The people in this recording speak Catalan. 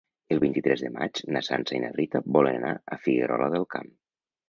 El vint-i-tres de maig na Sança i na Rita volen anar a Figuerola del Camp.